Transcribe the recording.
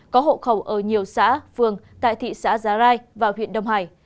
có hộ khẩu ở nhiều xã phường tại thị xã giá rai và huyện đông hải